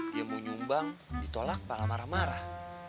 dia mau nyumbang ditolak malah marah marah